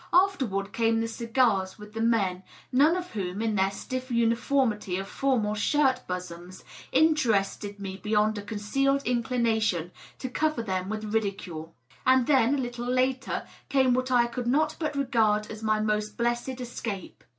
Afterward came the cigars with the men, none of whom, in their stiff uniformity of formal shirt bosoms, interested me beyond a concealed inclination to cover them with ridicule. And then, a little later, came what I could not but regard as my most blessed escape.